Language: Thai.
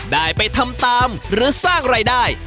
ได้ไปทำตามหรือสร้างรายได้